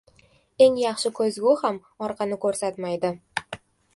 • Eng yaxshi ko‘zgu ham orqani ko‘rsatmaydi.